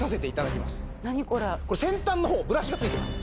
これ先端の方ブラシが付いてます。